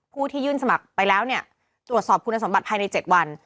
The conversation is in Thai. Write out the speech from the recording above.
ที่ยื่นสมัครไปแล้วเนี่ยตรวจสอบคุณสมบัติภายใน๗วัน